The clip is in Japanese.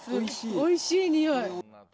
おいしいにおい。